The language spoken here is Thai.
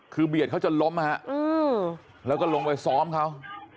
คือเบียดเขาจนล้มฮะแล้วก็ลงไปซ้อมเขา